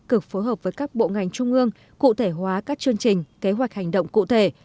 cực phối hợp với các bộ ngành trung ương cụ thể hóa các chương trình kế hoạch hành động cụ thể